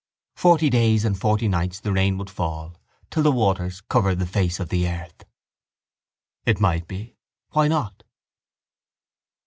Forty days and forty nights the rain would fall till the waters covered the face of the earth. It might be. Why not?